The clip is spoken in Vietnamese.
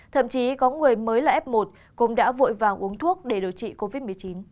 thậm chí có người mới là f một cũng đã vội vàng uống thuốc để điều trị covid một mươi chín